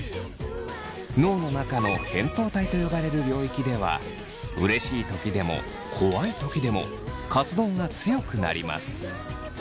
脳の中の扁桃体と呼ばれる領域ではうれしい時でも怖い時でも活動が強くなります。